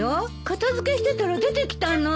片付けしてたら出てきたの。